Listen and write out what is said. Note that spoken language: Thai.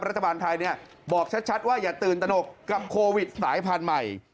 รัฐบาลไทยบอกชัดว่าอย่าตื่นตนกกับโควิดสายพันธุ์ใหม่